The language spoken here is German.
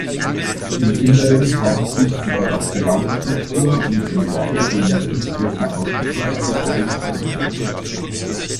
Im Inneren haben sich die barocke Raumstruktur und eine Reihe bemerkenswerter Ausstattungsdetails erhalten.